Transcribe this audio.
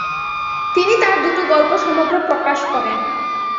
তিনি তাঁর দু'টো গল্প সমগ্র প্রকাশ করেন।